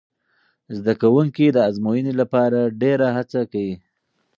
زده کوونکي د ازموینې لپاره ډېره هڅه کوي.